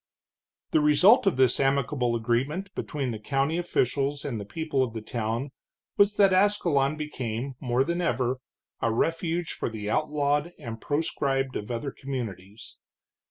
The result of this amicable agreement between the county officials and the people of the town was that Ascalon became, more than ever, a refuge for the outlawed and proscribed of other communities.